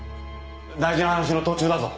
大事な話の途中だぞ。